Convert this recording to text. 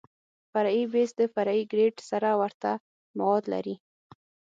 فرعي بیس د فرعي ګریډ سره ورته مواد لري